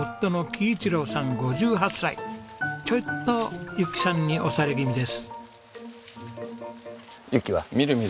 ちょいと由紀さんに押され気味です。